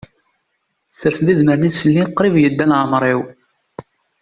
Tessers-d idmaren-is fell-i, qrib yedda laɛmer-iw.